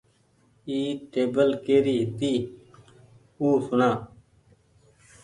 اي ٽيبل ڪري هيتي او سوڻا۔